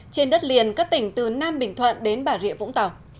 trên đất liền các tỉnh từ nam bình thoạn đến bà rịa vũng tàu